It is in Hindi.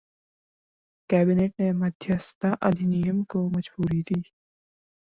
कैबिनेट ने मध्यस्थता अधिनियम को मंजूरी दी